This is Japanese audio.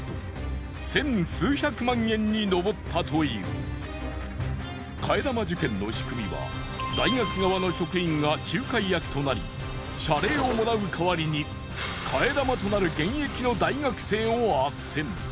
その後事件は替え玉受験をあっせんした大学側の職員が仲介役となり謝礼をもらう代わりに替え玉となる現役の大学生をあっせん。